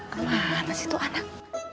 kamu mana situ anak